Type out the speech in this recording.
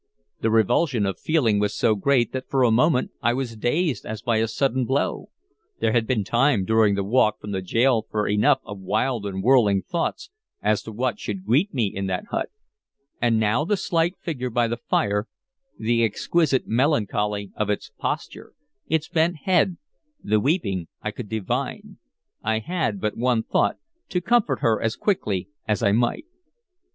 The revulsion of feeling was so great that for the moment I was dazed as by a sudden blow. There had been time during the walk from the gaol for enough of wild and whirling thoughts as to what should greet me in that hut; and now the slight figure by the fire, the exquisite melancholy of its posture, its bent head, the weeping I could divine, I had but one thought, to comfort her as quickly as I might.